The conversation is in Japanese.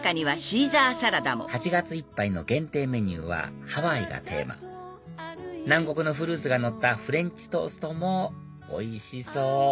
８月いっぱいの限定メニューはハワイがテーマ南国のフルーツがのったフレンチトーストもおいしそう！